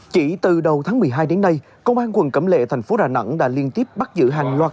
chỉ từ đầu tháng một mươi hai đến nay công an quận cẩm lệ thành phố đà nẵng đã liên tiếp bắt giữ hàng loạt